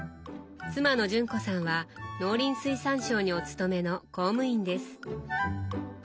妻の純子さんは農林水産省にお勤めの公務員です。